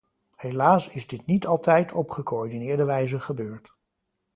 Helaas is dit niet altijd op gecoördineerde wijze gebeurd.